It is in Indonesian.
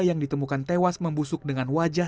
yang ditemukan tewas membusuk dengan wajah